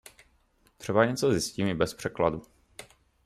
Třeba něco zjistím i bez překladu.